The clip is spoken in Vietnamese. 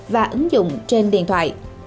và ứng dụng trên điện thoại